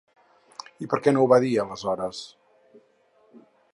I per què no ho va dir aleshores?